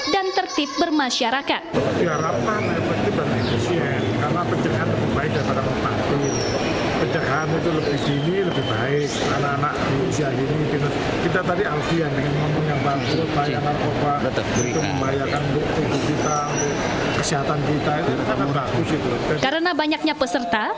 dan teroris yang berkembang di tengah masyarakat